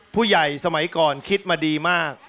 ผู้ใหญ่สมัยก่อนคิดมาดีมาก